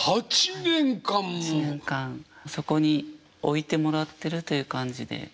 そこに置いてもらってるという感じで。